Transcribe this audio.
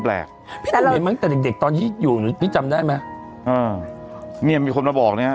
แปลกแต่เด็กเด็กตอนที่อยู่พี่จำได้ไหมอ่าเนี่ยมีคนมาบอกเนี่ย